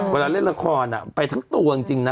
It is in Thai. เวลาเล่นละครไปทั้งตัวจริงนะ